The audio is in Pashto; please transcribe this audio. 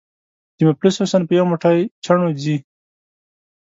د مفلس حسن په یو موټی چڼو ځي.